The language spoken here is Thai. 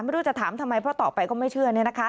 ไม่รู้จะถามทำไมเพราะต่อไปก็ไม่เชื่อ